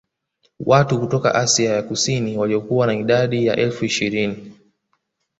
Watu kutoka Asia ya Kusini waliokuwa na idadi ya elfu ishirini